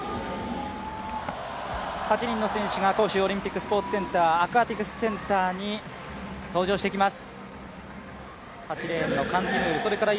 ８人の選手が杭州オリンピックスポーツセンター、アクアティクスセンターに登場してきます。